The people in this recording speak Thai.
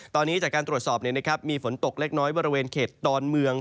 ตอนนี้จากการตรวจสอบมีฝนตกเล็กน้อยบริเวณเขตดอนเมือง